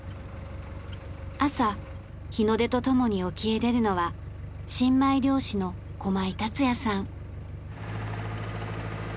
朝日の出とともに沖へ出るのは新米漁師の駒井健也さん。